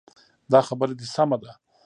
دا خبره دې سمه ده.